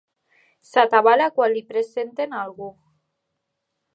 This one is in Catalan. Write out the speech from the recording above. S'atabala quan li presenten algú.